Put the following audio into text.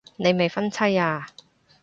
你未婚妻啊